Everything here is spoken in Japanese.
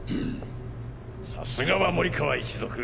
さすがは森川一族。